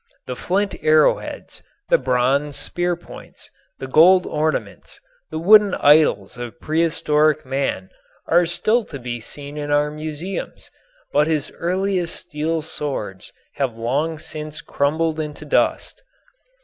The flint arrowheads, the bronze spearpoints, the gold ornaments, the wooden idols of prehistoric man are still to be seen in our museums, but his earliest steel swords have long since crumbled into dust.